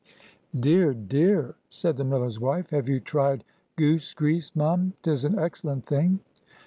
"Dear, dear!" said the miller's wife; "have you tried goose grease, mum? 'Tis an excellent thing."